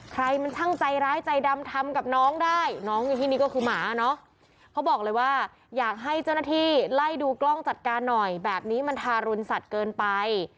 ใครมันช่างใจร้ายใจดำทำกับน้องได้น้องอยู่ที่นี่ก็คือหมาเนอะเขาบอกเลยว่าอยากให้เจ้าหน้าที่ไล่ดูกล้องจัดการหน่อยแบบนี้มันทารุณสัตว์เกินไป